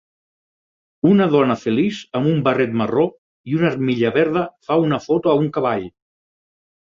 Una dona feliç amb un barret marró i una armilla verda fa una foto a un cavall.